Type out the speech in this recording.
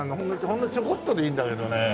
ほんのちょこっとでいいんだけどね。